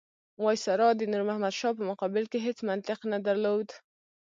وایسرا د نور محمد شاه په مقابل کې هېڅ منطق نه درلود.